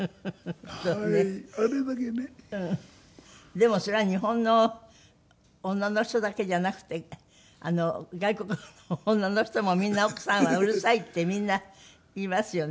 でもそれは日本の女の人だけじゃなくて外国の女の人もみんな奥さんはうるさいってみんな言いますよね。